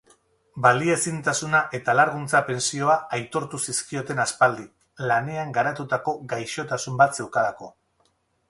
Baliaezintasuna eta alarguntza pentsioa aitortu zizkioten aspaldi, lanean garatutako gaixotasun bat zeukalako.